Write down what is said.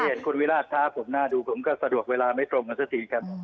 เห็นคุณวิราชท้าผมหน้าดูผมก็สะดวกเวลาไม่ตรงกันสักทีครับ